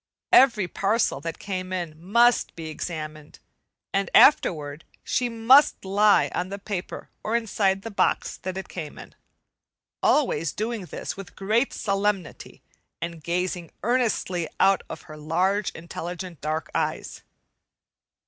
Every parcel that came in must be examined, and afterward she must lie on the paper or inside the box that it came in, always doing this with great solemnity and gazing earnestly out of her large, intelligent dark eyes.